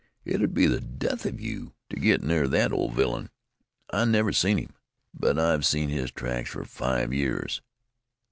it'd be the death of you to git near thet old villain. I never seen him, but I've seen his tracks fer five years.